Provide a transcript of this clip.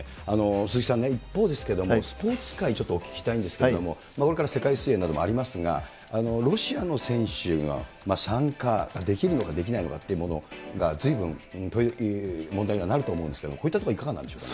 鈴木さんね、一方、スポーツ界、ちょっとお聞きしたいんですけれども、これから世界水泳などもありますが、ロシアの選手が参加できるのかできないのかっていうものが、ずいぶん問題にはなると思うんですけれども、こういったところはいかがなんでしょうね。